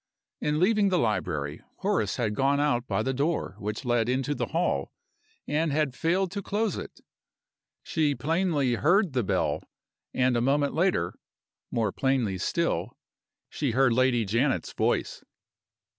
In leaving the library, Horace had gone out by the door which led into the hall, and had failed to close it. She plainly heard the bell and a moment later (more plainly still) she heard Lady Janet's voice!